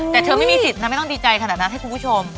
แต่เธอไม่มีสิทธิ์นะไม่ต้องดีใจขนาดนั้นให้คุณผู้ชม